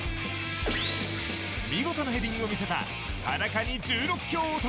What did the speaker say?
見事なヘディングを見せた裸に１６強男。